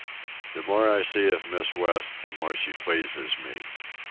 The more I see of Miss West the more she pleases me.